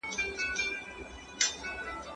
انسان نسي کولای يوازې ژوند وکړي.